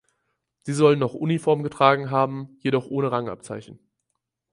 Sie sollen noch Uniformen getragen haben, jedoch ohne Rangabzeichen.